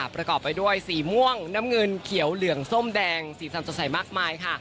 ประกอบไปด้วยสีม่วงน้ำเงินเขียวเหลืองส้มแดงสีสันสดใสมากมายค่ะ